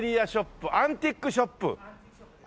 アンティークショップです。